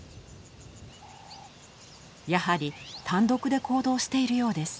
やはり単独で行動しているようです。